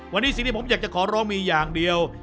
วันนี้ผมอยากจะขอร้องแค่อย่างเดียว